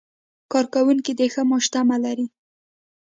کارکوونکي د ښه معاش تمه لري.